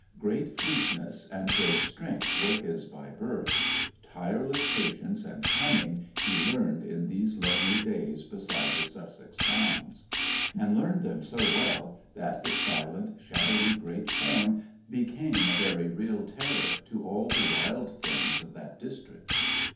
Great fleetness and great strength were his by birth; tireless patience and cunning he learned in these lonely days beside the Sussex Downs; and learned them so well that his silent, shadowy great form became a very real terror to all the wild things of that district.